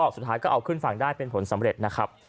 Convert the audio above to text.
สุดท้ายก็เอาขึ้นฝั่งได้เป็นผลสำเร็จนะครับ